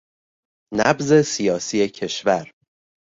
نبض سیاسی کشور